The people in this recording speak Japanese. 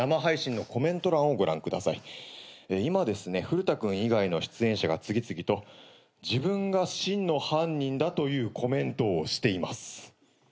フルタ君以外の出演者が次々と「自分が真の犯人だ」というコメントをしています。